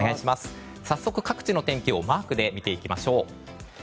早速、各地の天気をマークで見てみましょう。